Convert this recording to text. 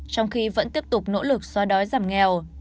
trong khi vẫn tiếp tục nỗ lực xóa đói giảm nghèo